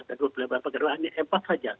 dan dua puluh empat kewenangan ini empat saja